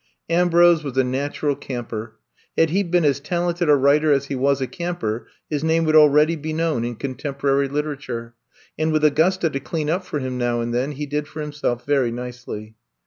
Ambrose was a natural camper. Had he been as talented a writer as he was a camper, his name would already be known in contemporary literature. And with Au gusta to clean up for him now and then, he did for himself very nicely.